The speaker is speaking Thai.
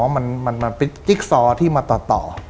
มันเป็นจิ๊กซอที่มาต่อ